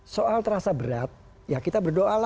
soal terasa berat ya kita berdoa lah